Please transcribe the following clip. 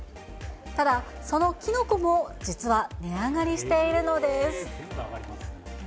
ただそのキノコも、実は値上がりしているのです。